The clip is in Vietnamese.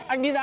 anh đi ra đi